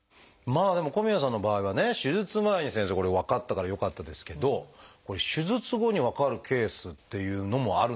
まあでも小宮さんの場合はね手術前に先生これ分かったからよかったですけど手術後に分かるケースっていうのもあるんですか？